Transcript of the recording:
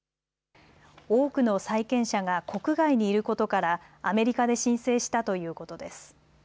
多くの債権者が国外にいることからアメリカで申請したということです。